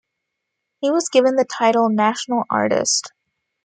He was given the title National Artist.